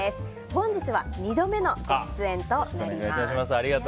本日は２度目のご出演となります。